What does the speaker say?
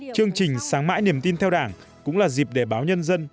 chương trình sáng mãi niềm tin theo đảng cũng là dịp để báo nhân dân